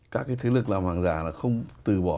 các cái thế lực làm hàng giả là không từ bỏ